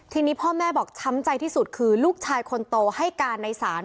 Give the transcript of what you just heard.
ทีนี้พ่อแม่บอกช้ำใจที่สุดคือลูกชายคนโตให้การในศาล